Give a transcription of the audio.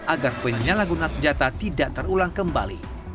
agar penyalahgunaan senjata tidak terulang kembali